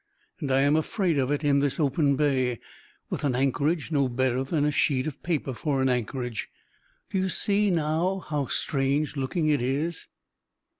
And I am afraid of it in this open bay, with an anchorage no better than a sheet of paper for an anchorage. Do you see now how strange looking it is?"